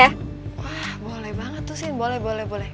wah boleh banget tuh sin boleh boleh boleh